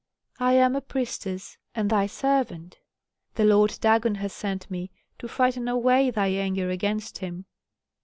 "I am a priestess, and thy servant; the lord Dagon has sent me to frighten away thy anger against him."